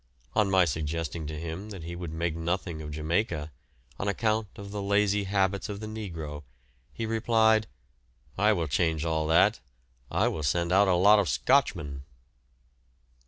On my suggesting to him that he would make nothing of Jamaica, on account of the lazy habits of the negro, he replied: "I will change all that. I will send out a lot of Scotchmen."